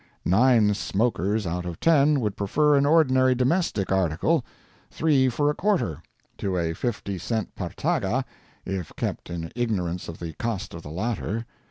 Nine smokers out of ten would prefer an ordinary domestic article, three for a quarter, to a fifty cent Partaga, if kept in ignorance of the cost of the latter.